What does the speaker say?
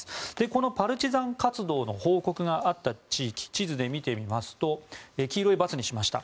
このパルチザン活動の報告があった地域地図で見てみますと黄色いバツにしました